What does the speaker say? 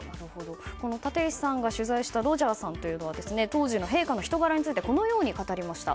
立石さんが取材したロジャーさんというのは当時の陛下の人柄についてこのように語りました。